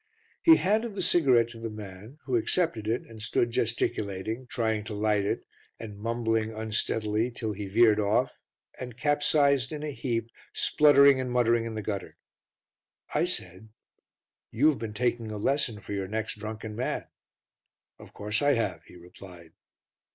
He handed the cigarette to the man who accepted it and stood gesticulating, trying to light it and mumbling unsteadily till he veered off and capsized in a heap, spluttering and muttering in the gutter. I said, "You have been taking a lesson for your next drunken man." "Of course I have," he replied.